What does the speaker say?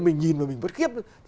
mình nhìn rồi mình vất khiếp